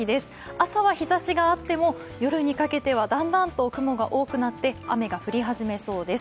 朝は日ざしがあっても夜にかけては、だんだんと雲が多くなって雨が降り始めそうです。